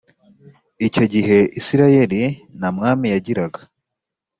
icyo gihe isirayeli nta mwami yagiraga